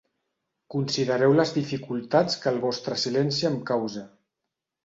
Considereu les dificultats que el vostre silenci em causa.